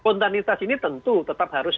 spontanitas ini tentu tetap harus